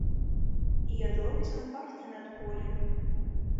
І ядлоўцам пахне над полем.